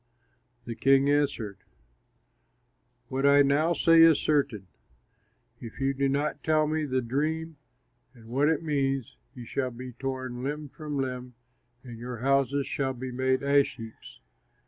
The king answered, "What I now say is certain: if you do not tell me the dream and what it means, you shall be torn limb from limb and your houses shall be made ash heaps.